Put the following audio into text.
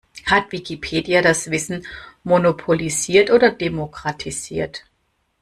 Hat Wikipedia das Wissen monopolisiert oder demokratisiert?